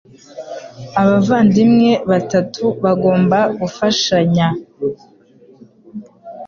Abavandimwe batatu bagomba gufashanya